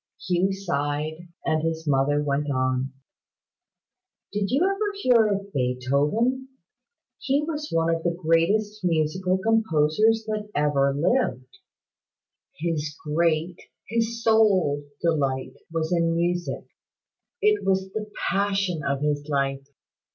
Hugh sighed, and his mother went on: "Did you ever hear of Beethoven? He was one of the greatest musical composers that ever lived. His great, his sole delight was in music. It was the passion of his life.